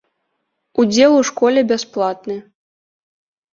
Удзел у школе бясплатны.